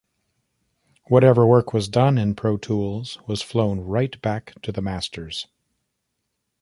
Whatever work was done in Pro Tools was flown right back to the masters.